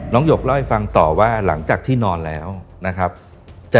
หยกเล่าให้ฟังต่อว่าหลังจากที่นอนแล้วนะครับ